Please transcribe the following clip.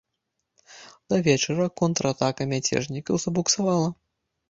Да вечара контратака мяцежнікаў забуксавала.